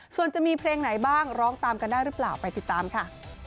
ส่วนจะมีเพลงไหนบ้างร้องตามกันได้หรือเปล่าไปติดตามค่ะ